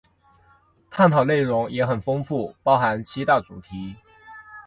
探讨内容也很丰富，包含七大主题